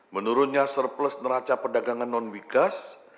menurunnya surplus neraca perdagangan non migas